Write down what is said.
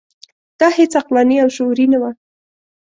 دا هیڅ عقلاني او شعوري نه وه.